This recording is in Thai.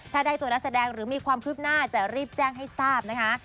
ถ้าได้ตัวนักแสดงหรือมีความคืบหน้าจะรีบแจ้งให้ทราบนะคะ